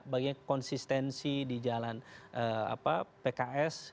bagaimana konsistensi di jalan pks